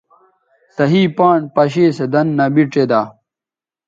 صحیح پان پشے سو دَن نبی ڇیدا